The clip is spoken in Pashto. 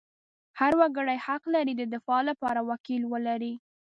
هر وګړی حق لري د دفاع لپاره وکیل ولري.